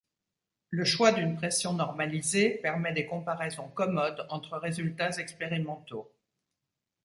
Le choix d'une pression normalisée permet des comparaisons commodes entre résultats expérimentaux.